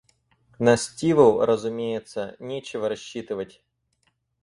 На Стиву, разумеется, нечего рассчитывать.